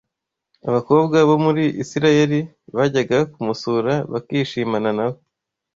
abakobwa bo muri Isirayeli bajyaga kumusura bakishimana na we